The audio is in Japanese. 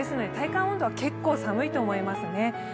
体感温度は結構寒いと思いますね。